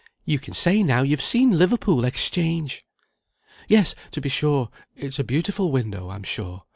You can say, now, you've seen Liverpool Exchange." "Yes, to be sure it's a beautiful window, I'm sure.